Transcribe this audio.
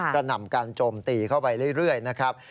หนำการโจมตีเข้าไปเรื่อยนะครับ